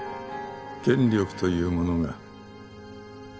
権力というものが。